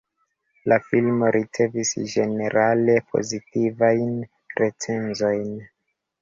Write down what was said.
La filmo ricevis ĝenerale pozitivajn recenzojn.